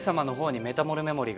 メタモルメモリーは？